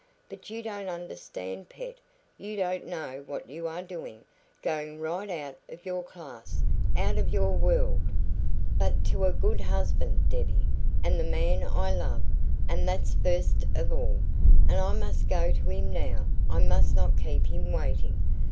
But you don't understand pet you don't know what you are doing going right out of your class out of your world " "But to a good husband, Debbie, and the man I love and that's first of all! And I must go to him now I must not keep him waiting.